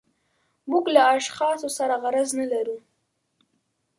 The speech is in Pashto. موږ له اشخاصو سره غرض نه لرو.